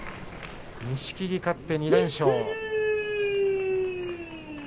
錦木、勝って２連勝。